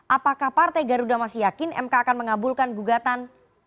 apakah partai garuda masih yakin mk akan mengabulkan gugatan